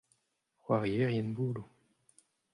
c'hoarierien bouloù.